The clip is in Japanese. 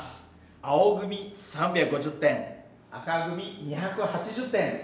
青組３５０点赤組２８０点。